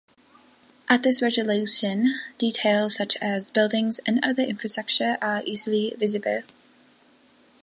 At this resolution, detail such as buildings and other infrastructure are easily visible.